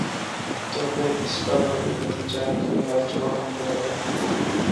تو پھر اس کا وہی نتیجہ نکلے گا جو ہم دیکھ رہے ہیں۔